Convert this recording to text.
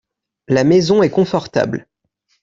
La maison est confortable.